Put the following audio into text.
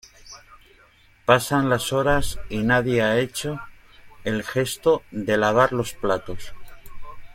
Pasan las horas y nadie ha hecho el gesto de lavar los platos.